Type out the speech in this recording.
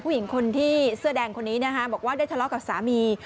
ผู้หญิงคนที่เสื้อแดงคนนี้นะฮะบอกว่าได้ทะเลาะกับสามี